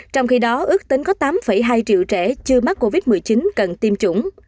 trong khi đó ước tính có tám hai triệu trẻ chưa mắc covid một mươi chín cần tiêm chủng